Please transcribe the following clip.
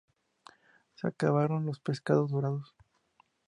Se acabaron los pescados dorados.